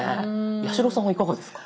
八代さんはいかがですか？